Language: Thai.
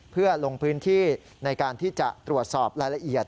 เพื่อลงพื้นที่ในการที่จะตรวจสอบรายละเอียด